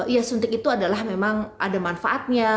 ya suntik itu adalah memang ada manfaatnya